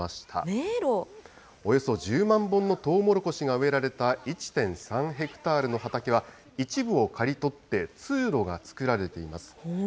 およそ１０万本のトウモロコシが植えられた１．３ヘクタールの畑は、一部を刈り取って通路が作られています。